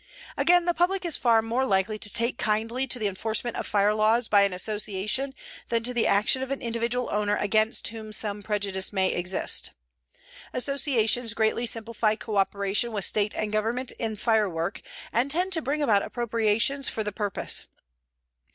Again, the public is far more likely to take kindly to the enforcement of fire laws by an association than to the action of an individual owner against whom some prejudice may exist. Associations greatly simplify co operation with State and Government in fire work and tend to bring about appropriations for the purpose.